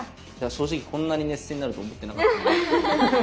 正直こんなに熱戦になるとは思ってなかったな。